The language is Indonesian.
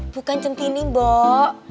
bukan centini mbok